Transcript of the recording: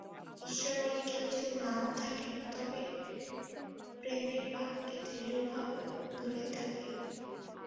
ঈশ্বর বলে কেউ যদি নাও থাকেন, তবু প্রেমের ভাবকে দৃঢ়ভাবে ধরে থাক।